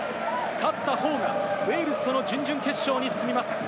勝った方がウェールズとの準々決勝に進みます。